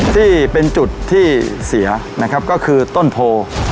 ที่เป็นจุดที่เสียนะครับก็คือต้นโพ